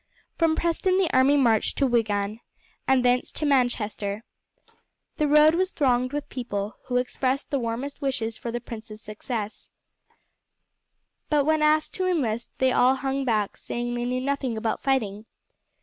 From Preston the army marched to Wigan, and thence to Manchester. The road was thronged with people, who expressed the warmest wishes for the prince's success; but when asked to enlist, they all hung back, saying they knew nothing about fighting.